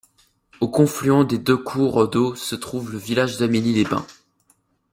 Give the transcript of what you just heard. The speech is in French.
Au confluent des deux cours d'eau se trouve le village d'Amélie-les-Bains.